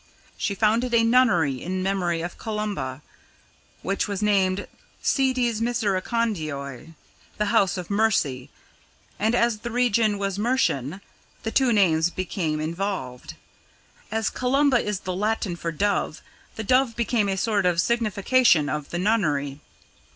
She founded a nunnery in memory of Columba, which was named Sedes misericordioe, the House of Mercy, and, as the region was Mercian, the two names became involved. As Columba is the Latin for dove, the dove became a sort of signification of the nunnery.